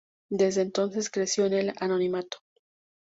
Desde entonces creció en el anonimato.